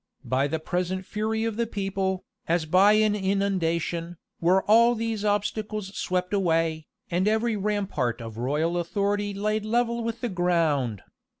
By the present fury of the people, as by an inundation, were all these obstacles swept away, and every rampart of royal authority laid level with the ground.